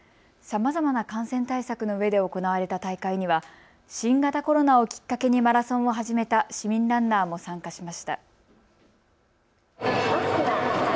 さまざまな感染対策のうえで行われた大会には新型コロナをきっかけにマラソンを始めた市民ランナーも参加しました。